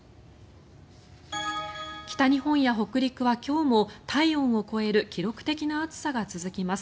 北日本や北陸は今日も体温を超える記録的な暑さが続きます。